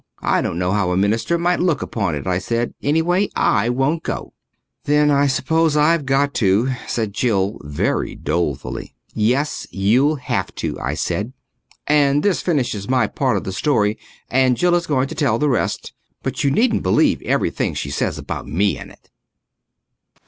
"I don't know how a minister might look upon it," I said. "Anyway, I won't go." "Then I suppose I've got to," said Jill very dolefully. "Yes, you'll have to," I said. And this finishes my part of the story, and Jill is going to tell the rest. But you needn't believe everything she says about me in it.